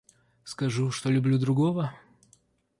Скажу, что люблю другого?